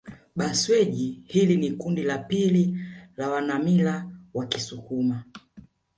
Bhasweji hili ni kundi la pili la wanamila wa kisukuma